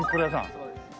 そうです。